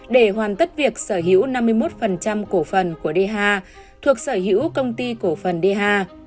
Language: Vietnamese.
để hoàn tất việc sở hữu năm mươi một cổ phần của dha thuộc sở hữu công ty cổ phần dha